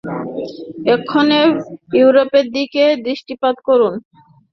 এক্ষণে ইউরোপের দিকে দৃষ্টিপাত করুন।